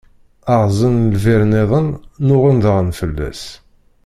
Ɣzen lbir-nniḍen, nnuɣen daɣen fell-as.